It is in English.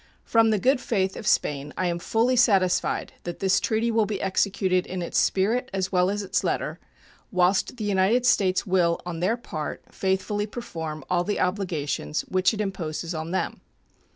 From the good faith of Spain I am fully satisfied that this treaty will be executed in its spirit as well as its letter, whilst the United States will on their part faithfully perform all the obligations which it imposes on them.